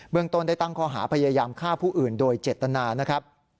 เมืองต้นได้ตั้งข้อหาพยายามฆ่าผู้อื่นโดยเจตนานะครับ